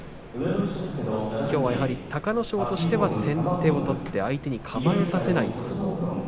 きょうは、やはり隆の勝としては先手を取って相手に構えさせない相撲。